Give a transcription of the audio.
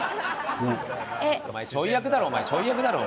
ちょい役だろお前ちょい役だろお前は。